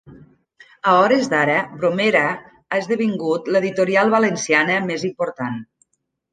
A hores d'ara, Bromera ha esdevingut l'editorial valenciana més important.